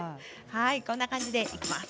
こんな感じでいきます。